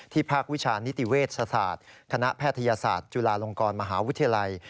ภาควิชานิติเวชศาสตร์คณะแพทยศาสตร์จุฬาลงกรมหาวิทยาลัย